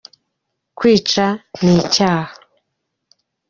Kwica ni cyaha.